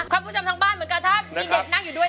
ความทรงจำทั้งบ้านเหมือนกันถ้ามีเด็กนั่งอยู่ด้วย